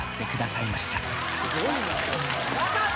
すごいな！